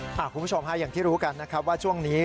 คุณผู้ชมฮะอย่างที่รู้กันนะครับว่าช่วงนี้